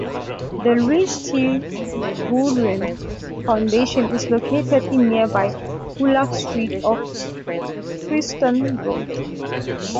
The Louise T Blouin Foundation is located in nearby Olaf Street, off Freston Road.